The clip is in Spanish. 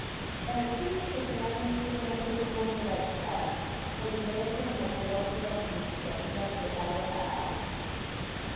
El C.schottianum tiene un cultivo generalizado, con diferencias morfológicas significativas de área a área.